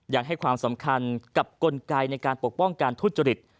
ยังให้ความสำคัญกับกลไกในการปกป้องการทุจริต